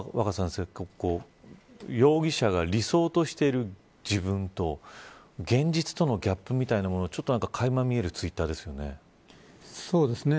若狭先生容疑者が理想としている自分と現実とのギャップみたいなものがかいま見えるそうですね